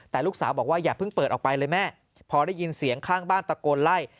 แต่ลูกสาวบอกว่าอย่าเพิ่งเปิดออกไปเลยแม่พอได้ยินเสียงข้างบ้านตะโกนไล่